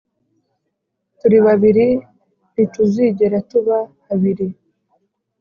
Turibabiri ntituzigera tuba habiri